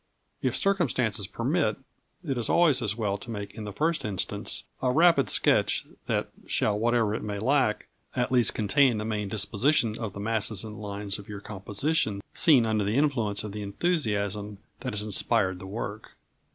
If circumstances permit, it is always as well to make in the first instance a rapid sketch that shall, whatever it may lack, at least contain the main disposition of the masses and lines of your composition seen under the influence of the enthusiasm that has inspired the work.